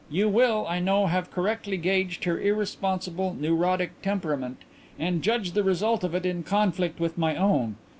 You will, I know, have correctly gauged her irresponsible, neurotic temperament, and judged the result of it in conflict with my own.